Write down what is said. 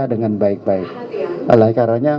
dengan baik baik alaikaranya